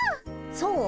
そう？